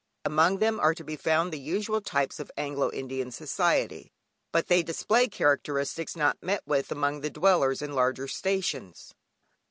Among them are to be found the usual types of Anglo Indian society, but they display characteristics not met with among the dwellers in larger stations.